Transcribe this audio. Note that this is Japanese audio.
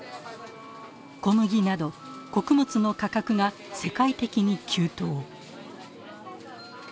小麦など穀物の価格が世界的に急騰。